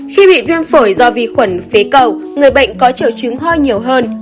khi bị viêm phổi do vi khuẩn phế cầu người bệnh có triệu chứng ho nhiều hơn